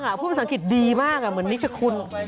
พูดภูมิศังกิจดีมากเหมือนนิเชคุ้น